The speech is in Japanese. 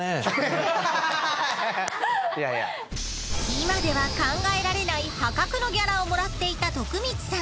今では考えられない破格のギャラをもらっていた徳光さん。